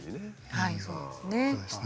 はいそうですね。